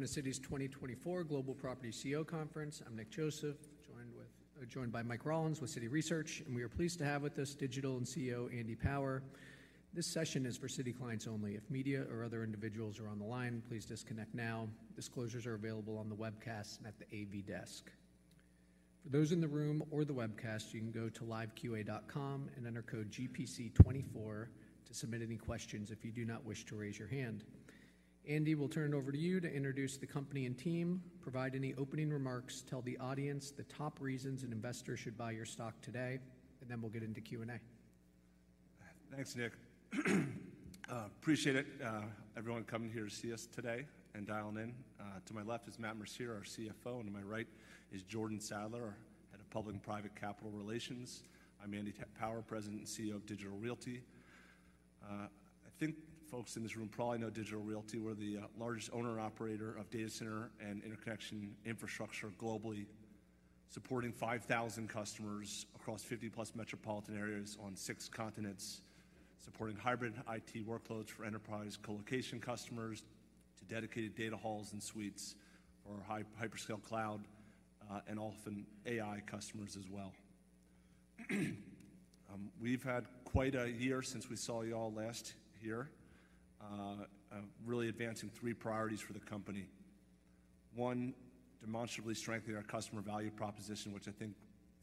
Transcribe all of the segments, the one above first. Welcome to Citi's 2024 Global Property CEO Conference. I'm Nick Joseph, joined by Mike Rollins with Citi Research, and we are pleased to have with us Digital Realty CEO Andy Power. This session is for Citi clients only. If media or other individuals are on the line, please disconnect now. Disclosures are available on the webcast and at the AV desk. For those in the room or the webcast, you can go to LiveQA and enter code GPC24 to submit any questions if you do not wish to raise your hand. Andy, we'll turn it over to you to introduce the company and team. Provide any opening remarks, tell the audience the top reasons an investor should buy your stock today, and then we'll get into Q&A. Thanks, Nick. Appreciate everyone coming here to see us today and dialing in. To my left is Matt Mercier, our CFO, and to my right is Jordan Sadler, Head of Public and Private Capital Relations. I'm Andy Power, President and CEO of Digital Realty. I think folks in this room probably know Digital Realty. We're the largest owner-operator of data center and interconnection infrastructure globally, supporting 5,000 customers across 50-plus metropolitan areas on 6 continents, supporting hybrid IT workloads for enterprise colocation customers to dedicated data halls and suites for hyperscale cloud and often AI customers as well. We've had quite a year since we saw you all last year, really advancing three priorities for the company. One, demonstrably strengthening our customer value proposition, which I think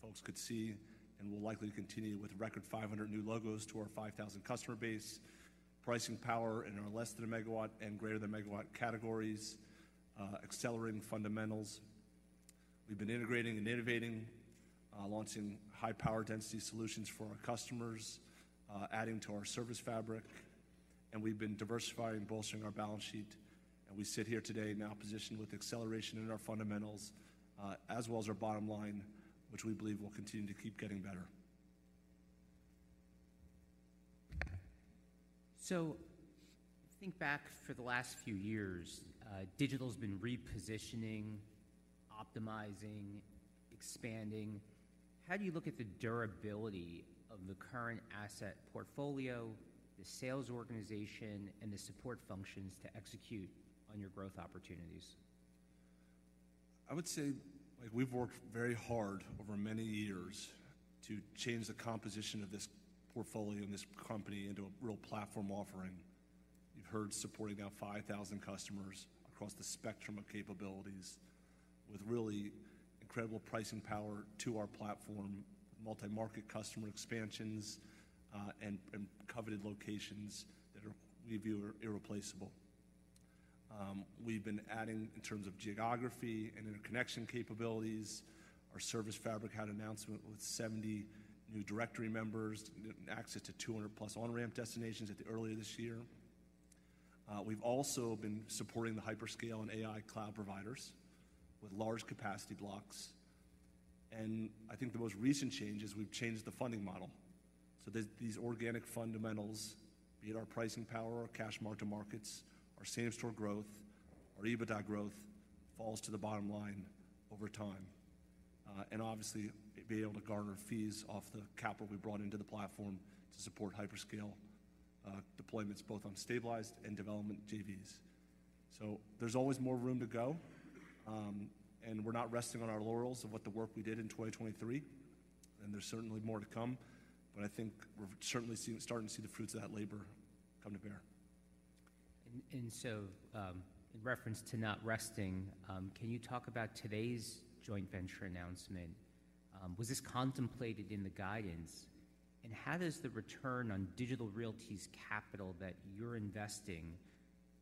folks could see and will likely continue with record 500 new logos to our 5,000 customer base. Pricing power in our less than a megawatt and greater than a megawatt categories. Accelerating fundamentals. We've been integrating and innovating, launching high power density solutions for our customers, adding to our ServiceFabric. We've been diversifying, bolstering our balance sheet. We sit here today now positioned with acceleration in our fundamentals as well as our bottom line, which we believe will continue to keep getting better. So think back for the last few years. Digital's been repositioning, optimizing, expanding. How do you look at the durability of the current asset portfolio, the sales organization, and the support functions to execute on your growth opportunities? I would say we've worked very hard over many years to change the composition of this portfolio and this company into a real platform offering. You've heard supporting now 5,000 customers across the spectrum of capabilities with really incredible pricing power to our platform, multi-market customer expansions, and coveted locations that we view are irreplaceable. We've been adding in terms of geography and interconnection capabilities. Our Service Fabric had announcement with 70 new directory members and access to 200+ on-ramp destinations at the earlier this year. We've also been supporting the hyperscale and AI cloud providers with large capacity blocks. And I think the most recent change is we've changed the funding model. So these organic fundamentals, be it our pricing power, our cash mark-to-markets, our same-store growth, our EBITDA growth, falls to the bottom line over time. Obviously, being able to garner fees off the capital we brought into the platform to support hyperscale deployments both on stabilized and development JVs. There's always more room to go. We're not resting on our laurels of what the work we did in 2023. There's certainly more to come. But I think we're certainly starting to see the fruits of that labor come to bear. In reference to not resting, can you talk about today's joint venture announcement? Was this contemplated in the guidance? How does the return on Digital Realty's capital that you're investing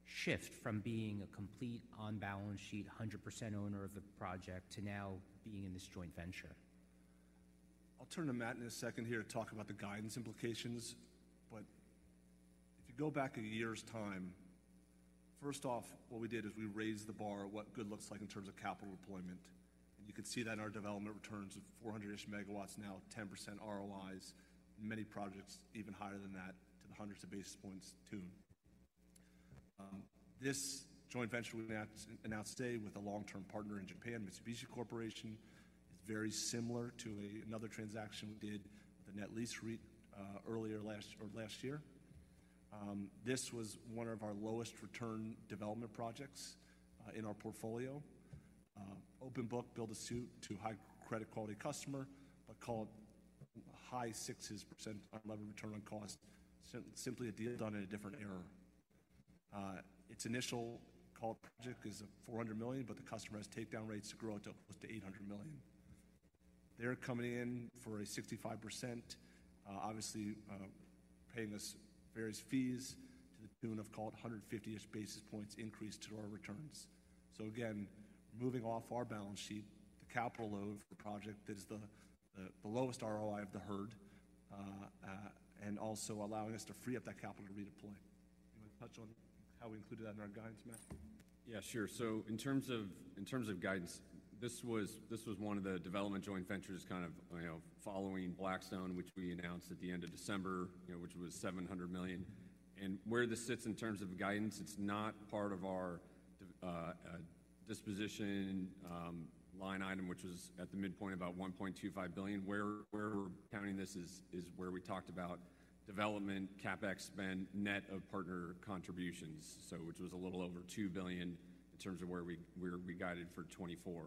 shift from being a complete on-balance sheet 100% owner of the project to now being in this joint venture? I'll turn to Matt in a second here to talk about the guidance implications. But if you go back a year's time, first off, what we did is we raised the bar of what good looks like in terms of capital deployment. And you could see that in our development returns of 400-ish MW now, 10% ROIs, and many projects even higher than that to the hundreds of basis points tuned. This joint venture we announced today with a long-term partner in Japan, Mitsubishi Corporation, is very similar to another transaction we did with a net lease REIT earlier last year. This was one of our lowest return development projects in our portfolio. Open book, build-to-suit to high credit quality customer, but call it high sixes % unlevered return on cost, simply a deal done in a different era. It's initial cap project is $400 million, but the customer has takedown rates to grow it to close to $800 million. They're coming in for a 65%, obviously paying us various fees to the tune of, call it, 150-ish basis points increase to our returns. So again, moving off our balance sheet, the capital load for a project that is the lowest ROI I've ever heard and also allowing us to free up that capital to redeploy. Do you want to touch on how we included that in our guidance, Matt? Yeah, sure. So in terms of guidance, this was one of the development joint ventures kind of following Blackstone, which we announced at the end of December, which was $700 million. And where this sits in terms of guidance, it's not part of our disposition line item, which was at the midpoint about $1.25 billion. Where we're counting this is where we talked about development, CapEx spend, net of partner contributions, which was a little over $2 billion in terms of where we guided for 2024.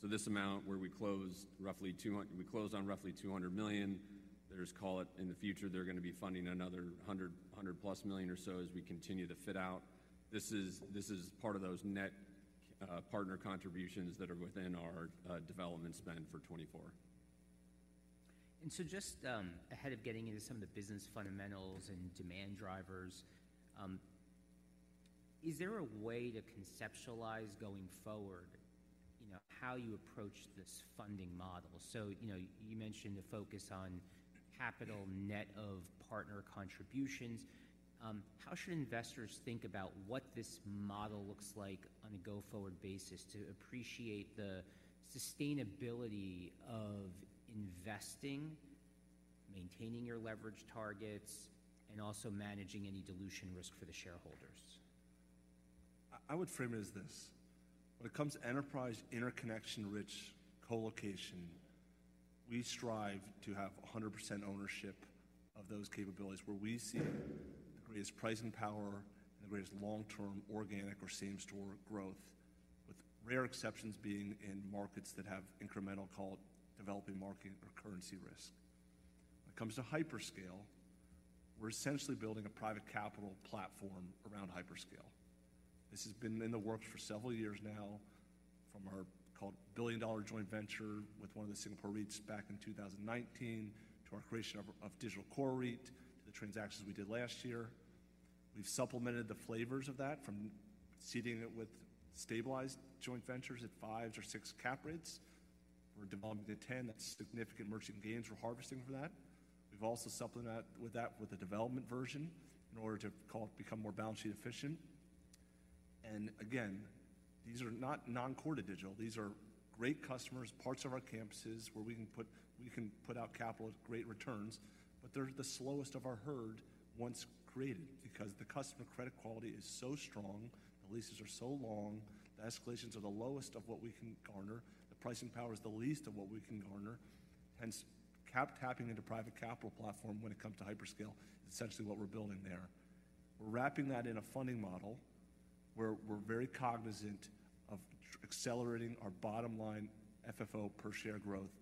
So this amount where we closed roughly we closed on roughly $200 million. There's, call it, in the future, they're going to be funding another $100+ million or so as we continue to fit out. This is part of those net partner contributions that are within our development spend for 2024. So just ahead of getting into some of the business fundamentals and demand drivers, is there a way to conceptualize going forward how you approach this funding model? You mentioned a focus on capital net of partner contributions. How should investors think about what this model looks like on a go-forward basis to appreciate the sustainability of investing, maintaining your leverage targets, and also managing any dilution risk for the shareholders? I would frame it as this. When it comes to enterprise interconnection-rich colocation, we strive to have 100% ownership of those capabilities where we see the greatest pricing power and the greatest long-term organic or same-store growth, with rare exceptions being in markets that have incremental, call it, developing market or currency risk. When it comes to hyperscale, we're essentially building a private capital platform around hyperscale. This has been in the works for several years now from our, call it, billion-dollar joint venture with one of the Singapore REITs back in 2019 to our creation of Digital Core REIT to the transactions we did last year. We've supplemented the flavors of that from seating it with stabilized joint ventures at 5 or 6 cap rates. We're developing to 10. That's significant merchant gains we're harvesting from that. We've also supplemented that with a development version in order to, call it, become more balance sheet efficient. And again, these are not non-core to Digital. These are great customers, parts of our campuses where we can put our capital at great returns. But they're the slowest of our herd once created because the customer credit quality is so strong, the leases are so long, the escalations are the lowest of what we can garner, the pricing power is the least of what we can garner. Hence, tapping into private capital platform when it comes to hyperscale is essentially what we're building there. We're wrapping that in a funding model where we're very cognizant of accelerating our bottom line FFO per share growth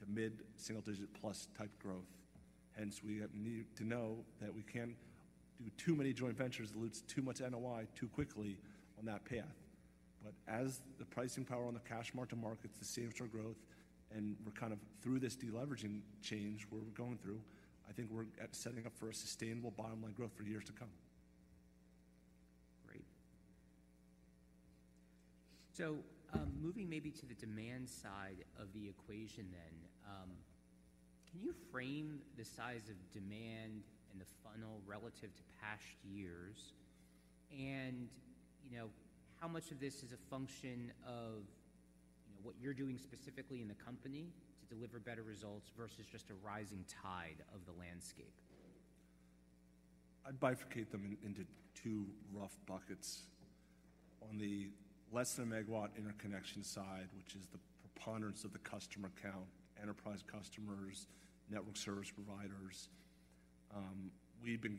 to mid-single-digit plus type growth. Hence, we need to know that we can't do too many joint ventures that dilute too much NOI too quickly on that path. But as the pricing power on the cash mark-to-markets, the same-store growth, and we're kind of through this deleveraging change we're going through, I think we're setting up for a sustainable bottom line growth for years to come. Great. Moving maybe to the demand side of the equation then, can you frame the size of demand and the funnel relative to past years? How much of this is a function of what you're doing specifically in the company to deliver better results versus just a rising tide of the landscape? I'd bifurcate them into two rough buckets. On the less than a megawatt interconnection side, which is the preponderance of the customer count, enterprise customers, network service providers, we've been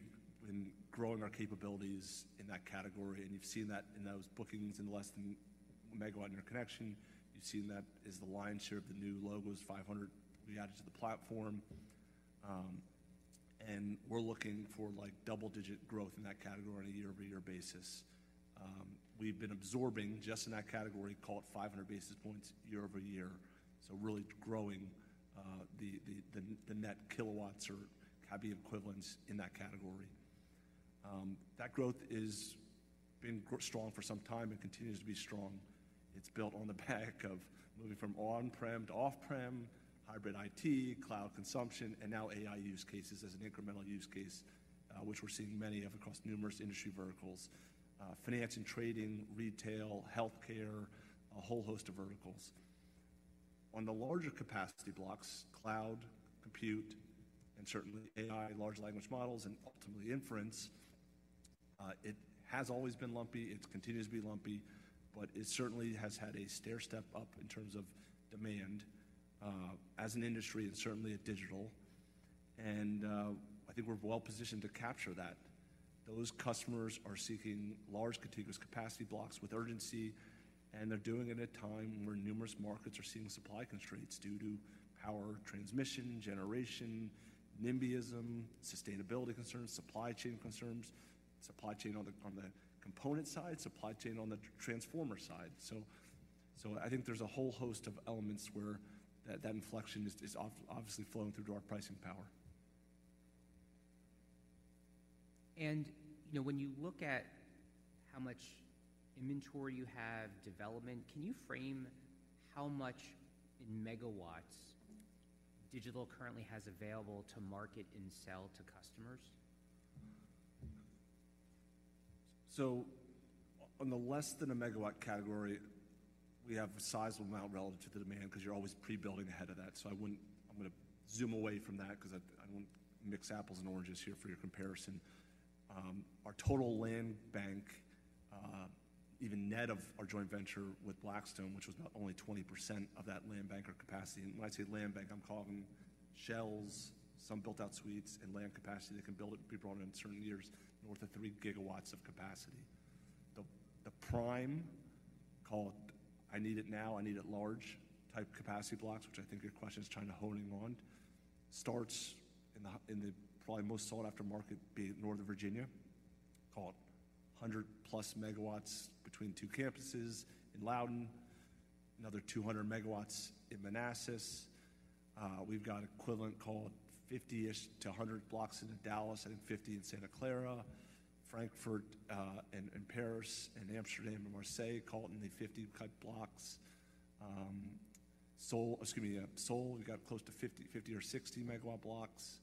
growing our capabilities in that category. You've seen that in those bookings in the less than a megawatt interconnection. You've seen that as the lion's share of the new logos, 500 we added to the platform. We're looking for double-digit growth in that category on a quarter-over-quarter basis. We've been absorbing just in that category, call it, 500 basis points quarter-over-quarter, so really growing the net kilowatts or cab equivalents in that category. That growth has been strong for some time and continues to be strong. It's built on the back of moving from on-prem to off-prem, hybrid IT, cloud consumption, and now AI use cases as an incremental use case, which we're seeing many of across numerous industry verticals: finance and trading, retail, healthcare, a whole host of verticals. On the larger capacity blocks, cloud, compute, and certainly AI, large language models, and ultimately inference, it has always been lumpy. It continues to be lumpy. But it certainly has had a stairstep up in terms of demand as an industry and certainly at digital. And I think we're well positioned to capture that. Those customers are seeking large contiguous capacity blocks with urgency. And they're doing it at a time where numerous markets are seeing supply constraints due to power transmission, generation, NIMBYism, sustainability concerns, supply chain concerns, supply chain on the component side, supply chain on the transformer side. I think there's a whole host of elements where that inflection is obviously flowing through to our pricing power. When you look at how much inventory you have, development, can you frame how much in megawatts Digital currently has available to market and sell to customers? So on the less than 1 MW category, we have a sizable amount relative to the demand because you're always pre-building ahead of that. So I'm going to zoom away from that because I don't want to mix apples and oranges here for your comparison. Our total land bank, even net of our joint venture with Blackstone, which was only 20% of that land bank or capacity and when I say land bank, I'm calling shells, some built-out suites, and land capacity that can be brought in certain years north of 3 GW of capacity. The prime, call it, I need it now, I need it large type capacity blocks, which I think your question is kind of honing on, starts in the probably most sought-after market being north of Virginia, call it 100+ MW between two campuses in Loudoun, another 200 MW in Manassas. We've got equivalent, call it, 50-ish to 100 blocks in Dallas, I think 50 in Santa Clara, Frankfurt and Paris, and Amsterdam and Marseille, call it in the 50 MW blocks. Seoul, excuse me, yeah. Seoul, we've got close to 50 or 60 MW blocks.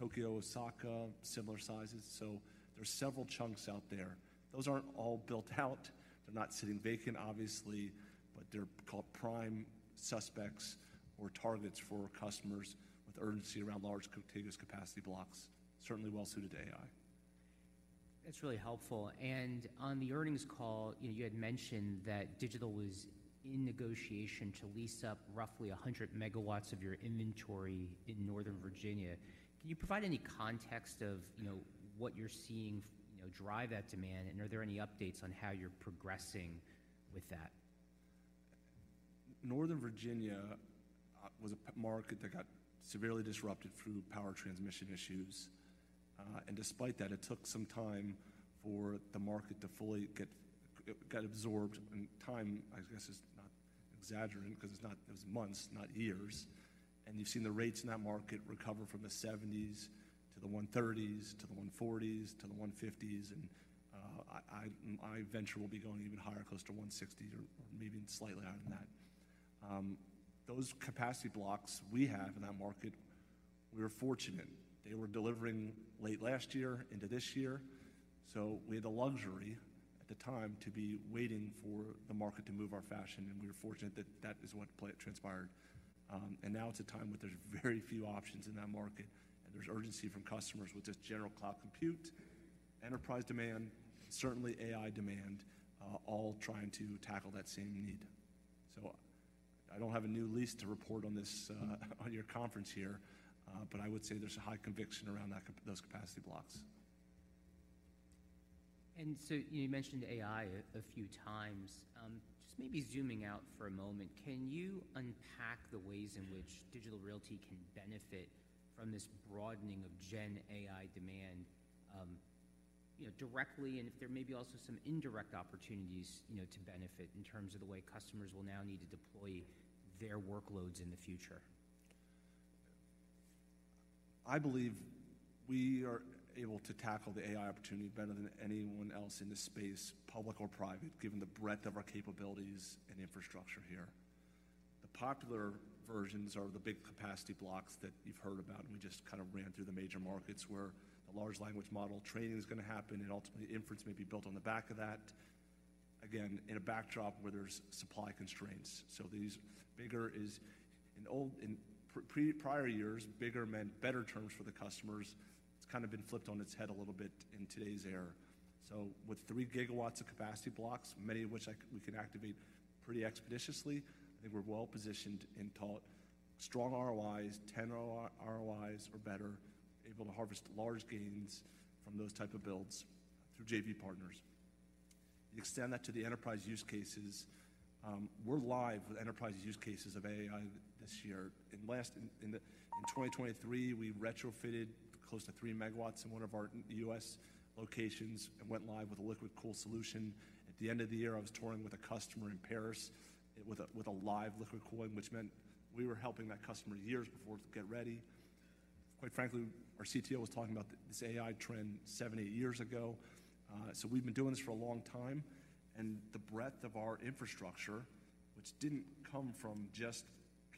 Tokyo, Osaka, similar sizes. So there's several chunks out there. Those aren't all built out. They're not sitting vacant, obviously. But they're called prime suspects or targets for customers with urgency around large contiguous capacity blocks, certainly well-suited to AI. That's really helpful. On the earnings call, you had mentioned that Digital Realty was in negotiation to lease up roughly 100 MW of your inventory in Northern Virginia. Can you provide any context of what you're seeing drive that demand? Are there any updates on how you're progressing with that? Northern Virginia was a market that got severely disrupted through power transmission issues. Despite that, it took some time for the market to fully get absorbed. Time, I guess, is not exaggerated because it was months, not years. You've seen the rates in that market recover from the $70s to the $130s to the $140s to the $150s. I venture it will be going even higher, close to $160 or maybe slightly higher than that. Those capacity blocks we have in that market, we were fortunate. They were delivering late last year into this year. We had the luxury at the time to be waiting for the market to move our fashion. We were fortunate that that is what transpired. Now it's a time where there's very few options in that market. There's urgency from customers with just general cloud compute, enterprise demand, certainly AI demand, all trying to tackle that same need. I don't have a new lease to report on your conference here. I would say there's a high conviction around those capacity blocks. So you mentioned AI a few times. Just maybe zooming out for a moment, can you unpack the ways in which Digital Realty can benefit from this broadening of Gen AI demand directly and if there may be also some indirect opportunities to benefit in terms of the way customers will now need to deploy their workloads in the future? I believe we are able to tackle the AI opportunity better than anyone else in this space, public or private, given the breadth of our capabilities and infrastructure here. The popular versions are the big capacity blocks that you've heard about. We just kind of ran through the major markets where the large language model training is going to happen. Ultimately, inference may be built on the back of that, again, in a backdrop where there's supply constraints. So these bigger is in prior years, bigger meant better terms for the customers. It's kind of been flipped on its head a little bit in today's era. So with 3 GW of capacity blocks, many of which we can activate pretty expeditiously, I think we're well positioned in, call it, strong ROIs, 10 ROIs or better, able to harvest large gains from those type of builds through JV partners. You extend that to the enterprise use cases. We're live with enterprise use cases of AI this year. In 2023, we retrofitted close to three megawatts in one of our U.S. locations and went live with a liquid cooling solution. At the end of the year, I was touring with a customer in Paris with a live liquid cooling, which meant we were helping that customer years before to get ready. Quite frankly, our CTO was talking about this AI trend seven, eight years ago. So we've been doing this for a long time. And the breadth of our infrastructure, which didn't come from just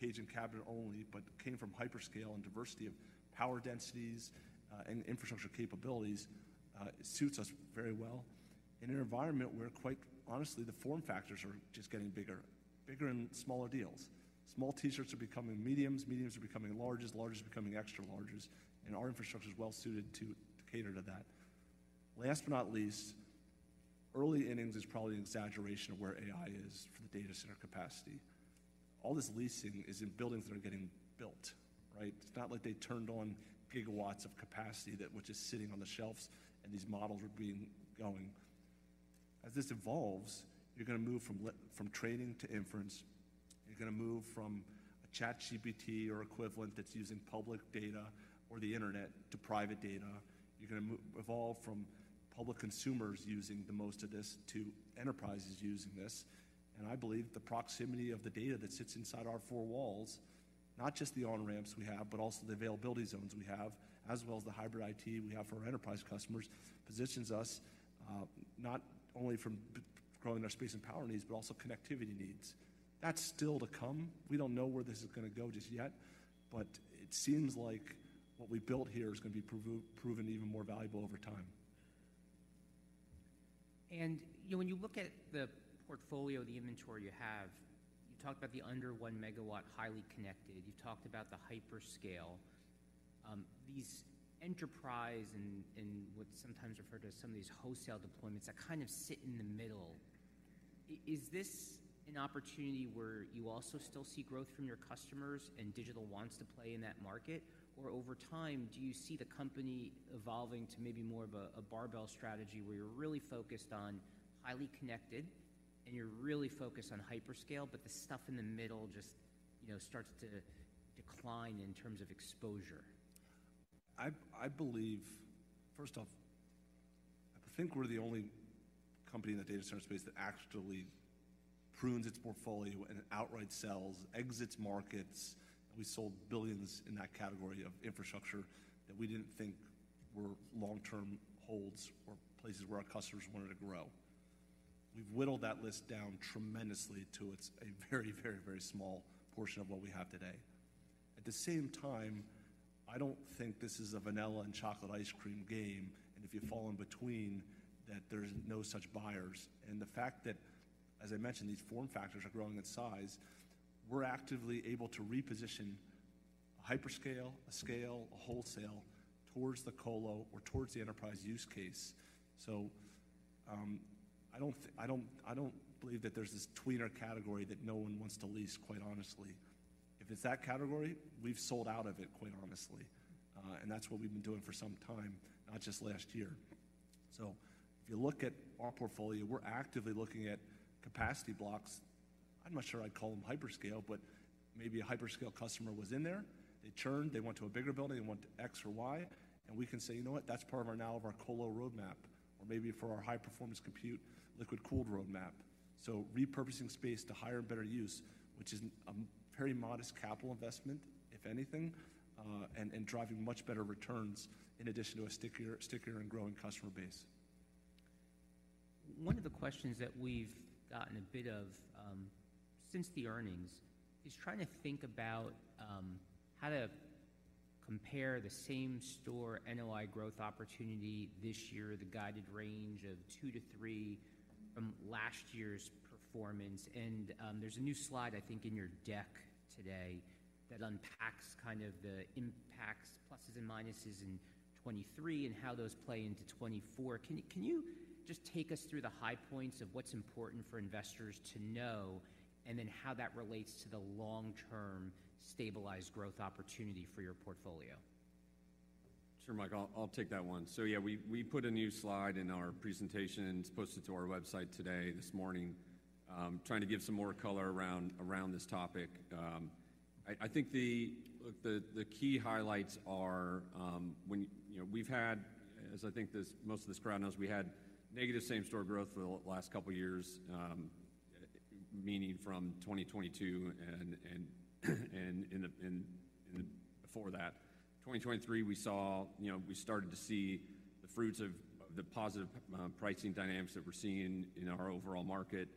cage and cabinet only but came from hyperscale and diversity of power densities and infrastructure capabilities, suits us very well in an environment where, quite honestly, the form factors are just getting bigger, bigger in smaller deals. Small T-shirts are becoming mediums. Mediums are becoming larges. Larges are becoming extra larges. Our infrastructure is well suited to cater to that. Last but not least, early innings is probably an exaggeration of where AI is for the data center capacity. All this leasing is in buildings that are getting built, right? It's not like they turned on gigawatts of capacity which is sitting on the shelves and these models are being going. As this evolves, you're going to move from training to inference. You're going to move from a ChatGPT or equivalent that's using public data or the internet to private data. You're going to evolve from public consumers using the most of this to enterprises using this. I believe the proximity of the data that sits inside our four walls, not just the on-ramps we have but also the availability zones we have, as well as the hybrid IT we have for our enterprise customers, positions us not only from growing our space and power needs but also connectivity needs. That's still to come. We don't know where this is going to go just yet. It seems like what we built here is going to be proven even more valuable over time. When you look at the portfolio, the inventory you have, you talked about the under one megawatt highly connected. You've talked about the hyperscale. These enterprise and what's sometimes referred to as some of these wholesale deployments that kind of sit in the middle, is this an opportunity where you also still see growth from your customers and Digital wants to play in that market? Or over time, do you see the company evolving to maybe more of a barbell strategy where you're really focused on highly connected and you're really focused on hyperscale but the stuff in the middle just starts to decline in terms of exposure? I believe, first off, I think we're the only company in the data center space that actually prunes its portfolio and outright sells, exits markets. We sold $ billions in that category of infrastructure that we didn't think were long-term holds or places where our customers wanted to grow. We've whittled that list down tremendously to a very, very, very small portion of what we have today. At the same time, I don't think this is a vanilla and chocolate ice cream game. And if you fall in between, that there's no such buyers. And the fact that, as I mentioned, these form factors are growing in size, we're actively able to reposition a hyperscale, a scale, a wholesale towards the colo or towards the enterprise use case. So I don't believe that there's this tweener category that no one wants to lease, quite honestly. If it's that category, we've sold out of it, quite honestly. That's what we've been doing for some time, not just last year. So if you look at our portfolio, we're actively looking at capacity blocks. I'm not sure I'd call them hyperscale. But maybe a hyperscale customer was in there. They churned. They went to a bigger building. They went to X or Y. And we can say, "You know what? That's part of our now of our colo roadmap or maybe for our high-performance compute liquid cooled roadmap." So repurposing space to higher and better use, which is a very modest capital investment, if anything, and driving much better returns in addition to a stickier and growing customer base. One of the questions that we've gotten a bit of since the earnings is trying to think about how to compare the same-store NOI growth opportunity this year, the guided range of 2-3 from last year's performance. There's a new slide, I think, in your deck today that unpacks kind of the impacts, pluses and minuses in 2023 and how those play into 2024. Can you just take us through the high points of what's important for investors to know and then how that relates to the long-term stabilized growth opportunity for your portfolio? Sure, Mike. I'll take that one. So yeah, we put a new slide in our presentation posted to our website today this morning, trying to give some more color around this topic. I think the key highlights are when we've had, as I think most of this crowd knows, we had negative Same-Store Growth for the last couple of years, meaning from 2022 and before that. 2023, we saw we started to see the fruits of the positive pricing dynamics that we're seeing in our overall market.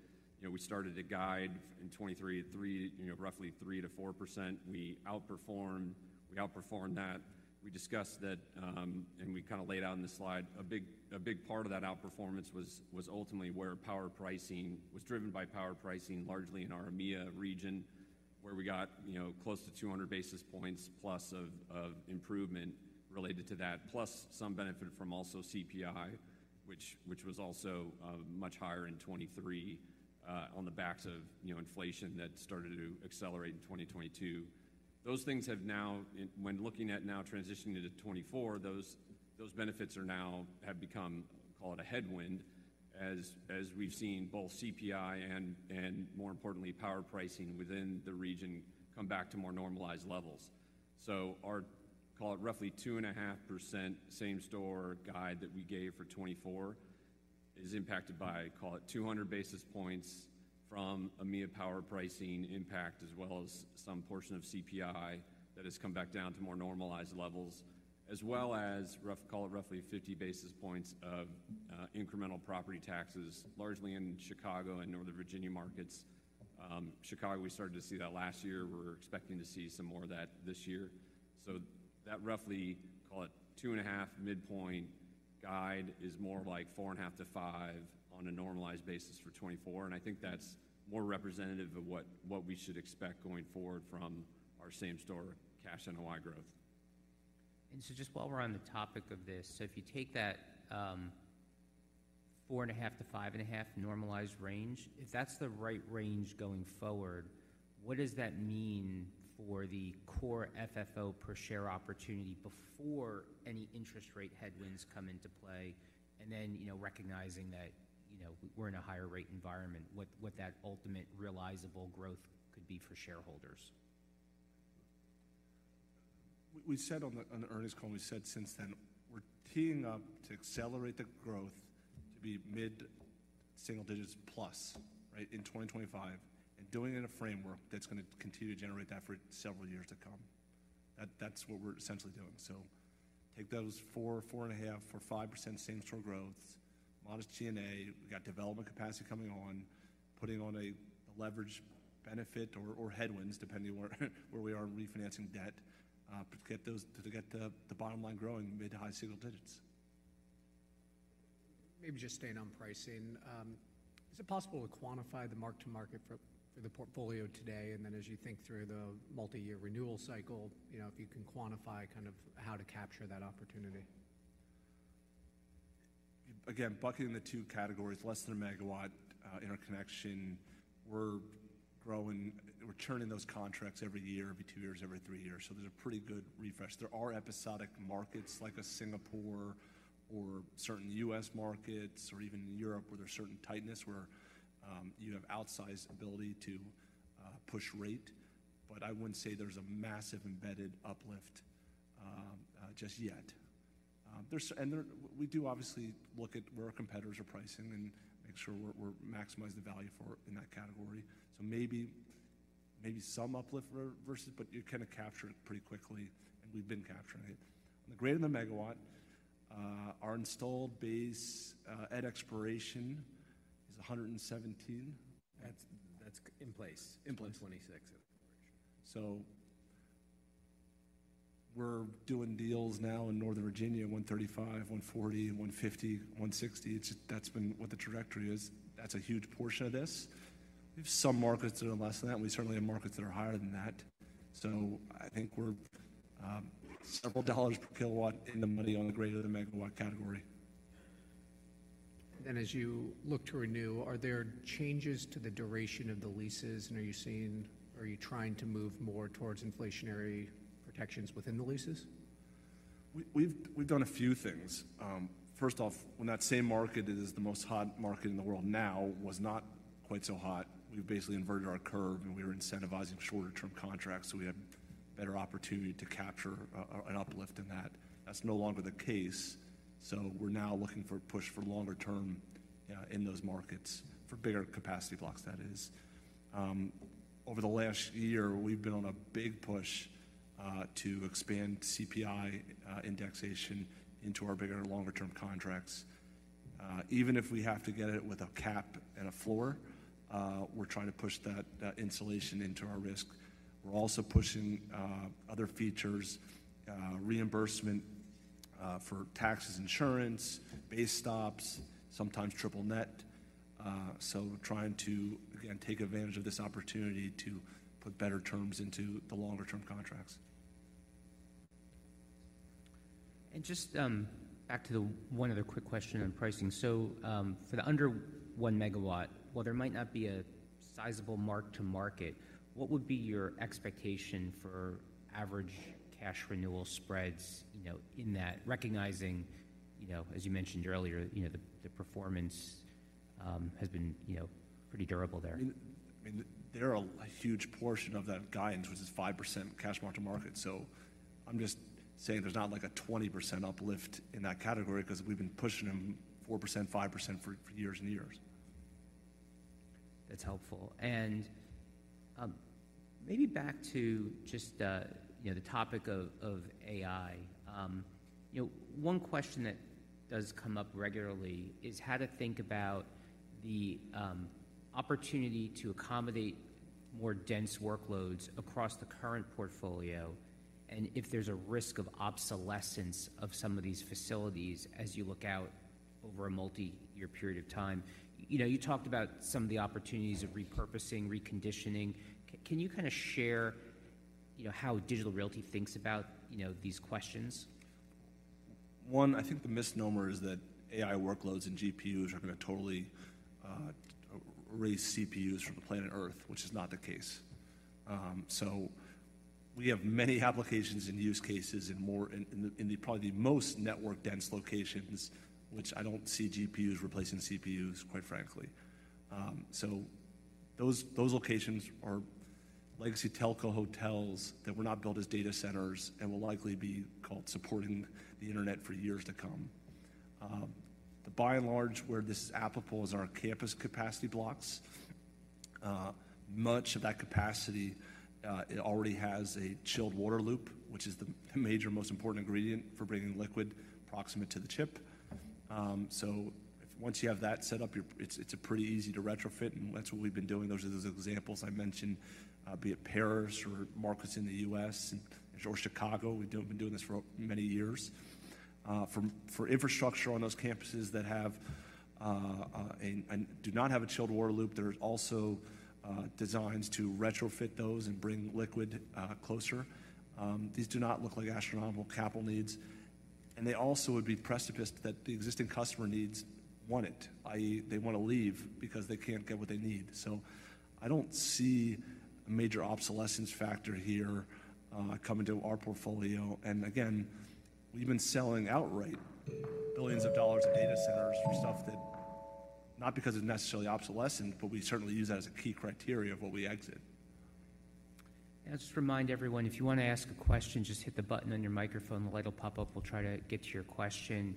We started to guide in 2023 at roughly 3%-4%. We outperformed that. We discussed that and we kind of laid out in the slide, a big part of that outperformance was ultimately where power pricing was driven by power pricing largely in our EMEA region where we got close to 200 basis points plus of improvement related to that, plus some benefit from also CPI, which was also much higher in 2023 on the backs of inflation that started to accelerate in 2022. Those things have now, when looking at now transitioning into 2024, those benefits are now have become, call it, a headwind as we've seen both CPI and, more importantly, power pricing within the region come back to more normalized levels. So our, call it, roughly 2.5% same-store guide that we gave for 2024 is impacted by, call it, 200 basis points from EMEA power pricing impact as well as some portion of CPI that has come back down to more normalized levels, as well as, call it, roughly 50 basis points of incremental property taxes, largely in Chicago and Northern Virginia markets. Chicago, we started to see that last year. We're expecting to see some more of that this year. So that roughly, call it, 2.5 midpoint guide is more like 4.5-5 on a normalized basis for 2024. And I think that's more representative of what we should expect going forward from our same-store cash NOI growth. Just while we're on the topic of this, so if you take that 4.5-5.5 normalized range, if that's the right range going forward, what does that mean for the core FFO per share opportunity before any interest rate headwinds come into play? Then recognizing that we're in a higher rate environment, what that ultimate realizable growth could be for shareholders? We said on the earnings call, we said since then, we're teeing up to accelerate the growth to be mid-single digits+, right, in 2025 and doing it in a framework that's going to continue to generate that for several years to come. That's what we're essentially doing. So take those 4, 4.5, 4-5% same-store growth, modest G&A. We got development capacity coming on, putting on a leverage benefit or headwinds depending where we are in refinancing debt to get the bottom line growing mid- to high-single digits. Maybe just staying on pricing. Is it possible to quantify the mark-to-market for the portfolio today? And then as you think through the multi-year renewal cycle, if you can quantify kind of how to capture that opportunity? Again, bucketing the two categories, less than a megawatt interconnection, we're churning those contracts every year, every 2 years, every 3 years. So there's a pretty good refresh. There are episodic markets like Singapore or certain U.S. markets or even Europe where there's certain tightness where you have outsized ability to push rate. But I wouldn't say there's a massive embedded uplift just yet. And we do obviously look at where our competitors are pricing and make sure we're maximizing the value for it in that category. So maybe some uplift versus but you kind of capture it pretty quickly. And we've been capturing it. On the greater than a megawatt, our installed base at expiration is 117. That's in place in 2026 at expiration. We're doing deals now in Northern Virginia, $135, $140, $150, $160. That's been what the trajectory is. That's a huge portion of this. We have some markets that are less than that. We certainly have markets that are higher than that. I think we're several $ per kilowatt in the money on the greater than a megawatt category. Then as you look to renew, are there changes to the duration of the leases? And are you trying to move more towards inflationary protections within the leases? We've done a few things. First off, when that same market is the most hot market in the world now was not quite so hot. We've basically inverted our curve. And we were incentivizing shorter-term contracts. So we had better opportunity to capture an uplift in that. That's no longer the case. So we're now looking for a push for longer-term in those markets, for bigger capacity blocks, that is. Over the last year, we've been on a big push to expand CPI Indexation into our bigger longer-term contracts. Even if we have to get it with a cap and a floor, we're trying to push that insulation into our risk. We're also pushing other features, reimbursement for taxes, insurance, base stops, sometimes Triple Net. So trying to, again, take advantage of this opportunity to put better terms into the longer-term contracts. Just back to the one other quick question on pricing. For the under 1 MW, while there might not be a sizable mark-to-market, what would be your expectation for average cash renewal spreads in that, recognizing, as you mentioned earlier, the performance has been pretty durable there? I mean, there are a huge portion of that guidance, which is 5% Cash Mark-to-Market. So I'm just saying there's not like a 20% uplift in that category because we've been pushing them 4%, 5% for years and years. That's helpful. Maybe back to just the topic of AI. One question that does come up regularly is how to think about the opportunity to accommodate more dense workloads across the current portfolio and if there's a risk of obsolescence of some of these facilities as you look out over a multi-year period of time. You talked about some of the opportunities of repurposing, reconditioning. Can you kind of share how Digital Realty thinks about these questions? One, I think the misnomer is that AI workloads and GPUs are going to totally erase CPUs from the planet Earth, which is not the case. So we have many applications and use cases in probably the most network-dense locations, which I don't see GPUs replacing CPUs, quite frankly. So those locations are legacy telco hotels that were not built as data centers and will likely be called supporting the internet for years to come. By and large, where this is applicable is our campus capacity blocks. Much of that capacity, it already has a chilled water loop, which is the major, most important ingredient for bringing liquid proximate to the chip. So once you have that set up, it's pretty easy to retrofit. And that's what we've been doing. Those are those examples I mentioned, be it Paris or markets in the U.S. e.g., Chicago. We've been doing this for many years. For infrastructure on those campuses that do not have a chilled water loop, there are also designs to retrofit those and bring liquid closer. These do not look like astronomical capital needs. And they also would be prerequisite that the existing customer needs want it, i.e., they want to leave because they can't get what they need. So I don't see a major obsolescence factor here coming to our portfolio. And again, we've been selling outright billions of dollars of data centers for stuff that, not because it's necessarily obsolescent, but we certainly use that as a key criteria of what we exit. I'll just remind everyone, if you want to ask a question, just hit the button on your microphone. The light will pop up. We'll try to get to your question.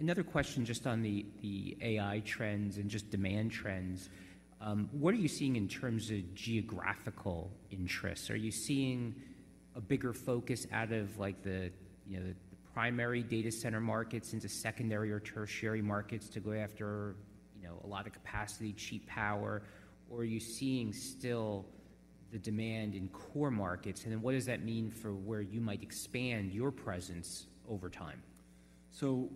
Another question just on the AI trends and just demand trends. What are you seeing in terms of geographical interests? Are you seeing a bigger focus out of the primary data center markets into secondary or tertiary markets to go after a lot of capacity, cheap power? Or are you seeing still the demand in core markets? And then what does that mean for where you might expand your presence over time? So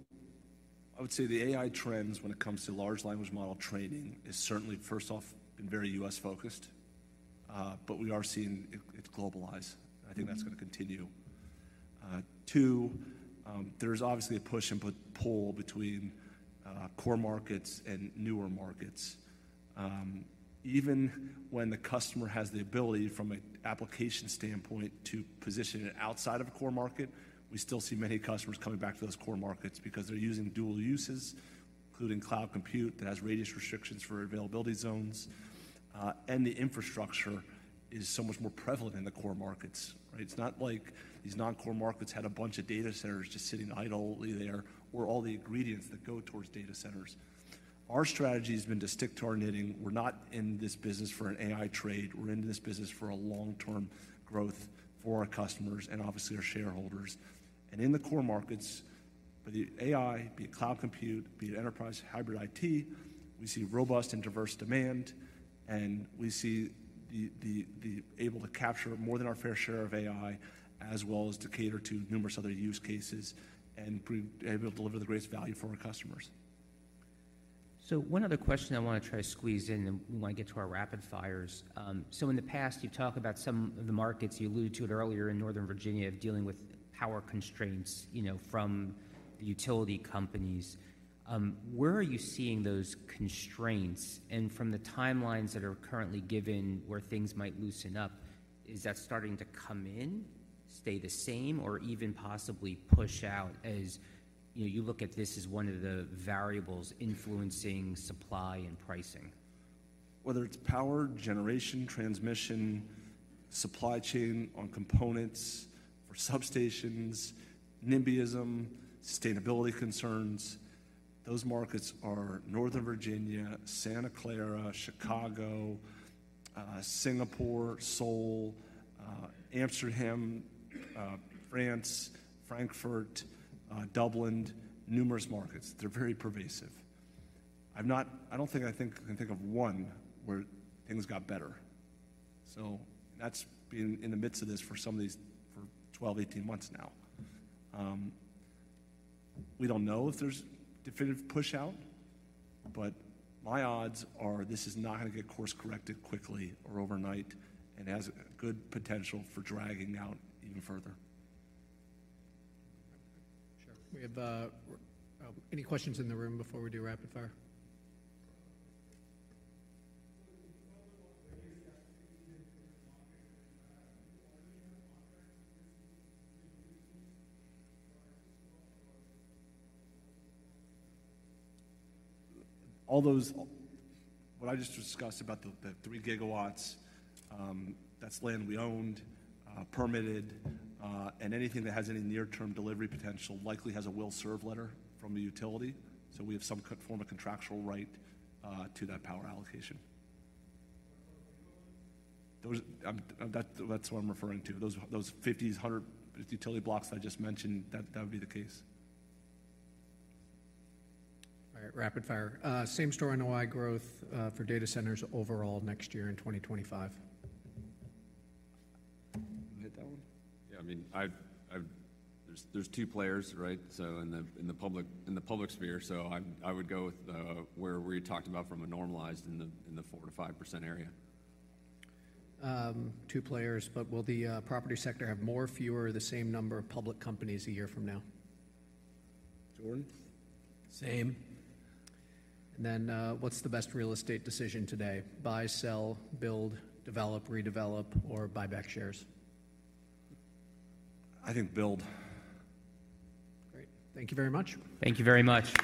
I would say the AI trends when it comes to large language model training is certainly, first off, been very U.S.-focused. But we are seeing it globalize. And I think that's going to continue. Two, there's obviously a push and pull between core markets and newer markets. Even when the customer has the ability from an application standpoint to position it outside of a core market, we still see many customers coming back to those core markets because they're using dual uses, including cloud compute that has radius restrictions for Availability Zones. And the infrastructure is so much more prevalent in the core markets, right? It's not like these non-core markets had a bunch of data centers just sitting idly there or all the ingredients that go towards data centers. Our strategy has been to stick to our knitting. We're not in this business for an AI trade. We're into this business for a long-term growth for our customers and obviously our shareholders. In the core markets, be it AI, be it cloud compute, be it enterprise hybrid IT, we see robust and diverse demand. We see the able to capture more than our fair share of AI as well as to cater to numerous other use cases and be able to deliver the greatest value for our customers. So one other question I want to try to squeeze in when we get to our rapid fires. So in the past, you've talked about some of the markets. You alluded to it earlier in Northern Virginia of dealing with power constraints from the utility companies. Where are you seeing those constraints? And from the timelines that are currently given where things might loosen up, is that starting to come in, stay the same, or even possibly push out as you look at this as one of the variables influencing supply and pricing? Whether it's power, generation, transmission, supply chain on components for substations, NIMBYism, sustainability concerns, those markets are Northern Virginia, Santa Clara, Chicago, Singapore, Seoul, Amsterdam, France, Frankfurt, Dublin, numerous markets. They're very pervasive. I don't think I can think of one where things got better. So that's been in the midst of this for some of these for 12, 18 months now. We don't know if there's definitive push out. But my odds are this is not going to get course-corrected quickly or overnight and has good potential for dragging out even further. Sure. Any questions in the room before we do a rapid fire? All those what I just discussed about the 3 gigawatts, that's land we owned, permitted. And anything that has any near-term delivery potential likely has a Will Serve Letter from a utility. So we have some form of contractual right to that power allocation. That's what I'm referring to, those 50s, 150 utility blocks I just mentioned, that would be the case. All right. Rapid fire. Same story in NOI growth for data centers overall next year in 2025? Hit that one. Yeah. I mean, there's two players, right, in the public sphere. So I would go with where we talked about from a normalized in the 4%-5% area. Two players. But will the property sector have more, fewer, the same number of public companies a year from now? Jordan? Same. And then what's the best real estate decision today? Buy, sell, build, develop, redevelop, or buy back shares? I think build. Great. Thank you very much. Thank you very much.